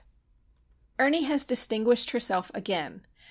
Ernie has distinguished herself again.